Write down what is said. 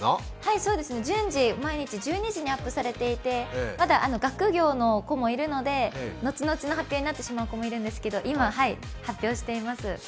そうです、順次毎日１２時に発表されていてまだ学業の子もいるので後々の発表になってしまう子もいるんですけど、今、発表しています。